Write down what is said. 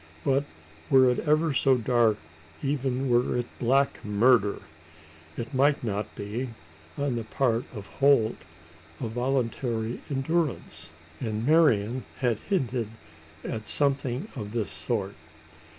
But were it ever so dark even were it black murder it might not be, on the part of Holt, a voluntary endurance: and Marian had hinted at something of this sort.